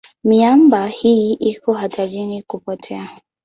Miamba hii iko hatarini kupotea.